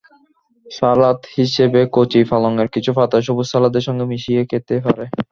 সালাদ হিসেবেকচি পালংয়ের কিছু পাতা সবুজ সালাদের সঙ্গে মিশিয়ে খেতে পারে।